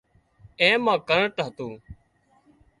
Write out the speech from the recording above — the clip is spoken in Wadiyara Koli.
اين مان ڪرنٽ هتو